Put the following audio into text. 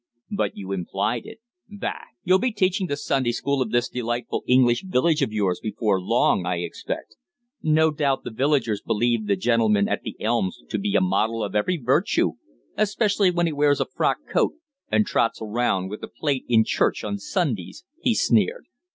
"But you implied it. Bah! You'll be teaching the Sunday School of this delightful English village of yours before long, I expect. No doubt the villagers believe the gentleman at the Elms to be a model of every virtue, especially when he wears a frock coat and trots around with the plate in church on Sundays!" he sneered.